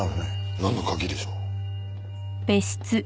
なんの鍵でしょう？